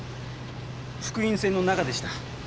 復員船の中でした。